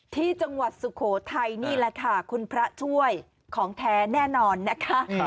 ที่จังหวัดสุโขทัยนี่แหละค่ะคุณพระช่วยของแท้แน่นอนนะคะ